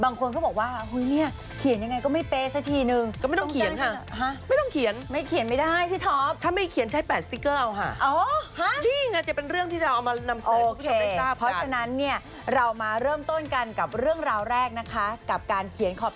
บางคนก็บอกว่าอุ้ยเนี่ยเขียนยังไงก็ไม่เฟสสักทีนึง